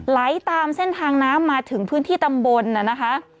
ไหลตามเส้นทางน้ำมาถึงพื้นที่ตำบลน่ะนะคะ